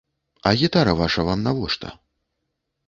А гітара ваша вам навошта?